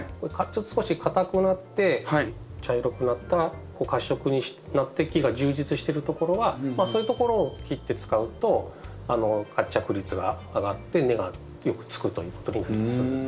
少し硬くなって茶色くなった褐色になって木が充実してるところはそういうところを切って使うと活着率が上がって根がよくつくということになります。